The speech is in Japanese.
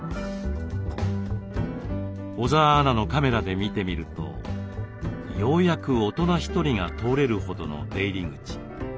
小澤アナのカメラで見てみるとようやく大人１人が通れるほどの出入り口。